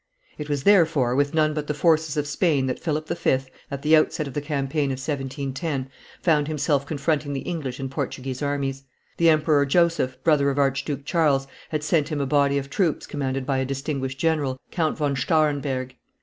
It was, therefore, with none but the forces of Spain that Philip V., at the outset of the campaign of 1710, found himself confronting the English and Portuguese armies. The Emperor Joseph, brother of Archduke Charles, had sent him a body of troops commanded by a distinguished general, Count von Stahrenberg.